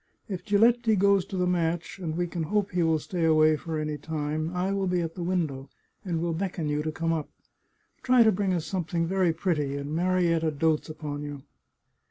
If Giletti goes to the match, and we can hope he will stay away for any time, I will be at the window, and will beckon you to come up. Try to bring us something very pretty. And Marietta dotes upon you."